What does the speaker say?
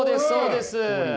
そうです。